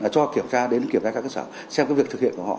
cho kiểm tra đến kiểm tra các cơ sở xem việc thực hiện của họ